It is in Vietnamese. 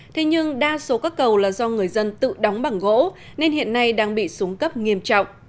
thế nhưng đa số các cầu là do người dân tự đóng bằng gỗ nên hiện nay đang bị xuống cấp nghiêm trọng